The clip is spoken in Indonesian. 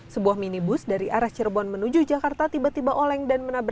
sebuah minibus dari arah cirebon menuju jakarta tiba tiba oleng dan menabrak